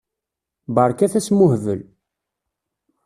Berkat asmuhbel.